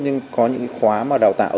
nhưng có những khóa đào tạo trực tiếp